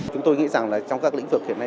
chúng tôi nghĩ rằng là trong các lĩnh vực hiện nay